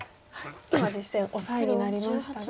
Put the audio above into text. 今実戦オサエになりましたが。